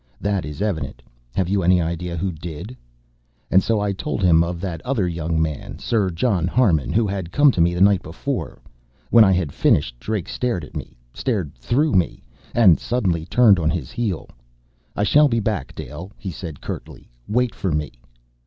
"That is evident. Have you any idea who did?" And so I told him of that other young man. Sir John Harmon, who had come to me the night before. When I had finished. Drake stared at me stared through me and suddenly turned on his heel. "I shall be back, Dale," he said curtly. "Wait for me!"